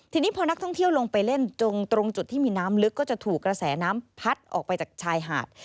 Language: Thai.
ทีนี้พอนักท่องเที่ยวลงไปเล่นจงตรงจุดที่มีน้ำลึกก็จะถูกกระแสน้ำพัดออกไปจากชายหาด